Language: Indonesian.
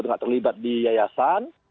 tidak terlibat di yayasan